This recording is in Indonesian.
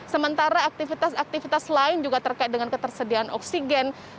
sementara aktivitas aktivitas lain juga terkait dengan ketersediaan oksigen